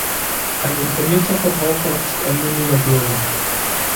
Ein informierter Verbraucher ist ein mündiger Bürger.